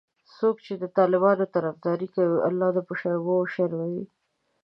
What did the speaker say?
څوک چې د طالبانو طرفداري کوي الله دي په شرمونو وشرموي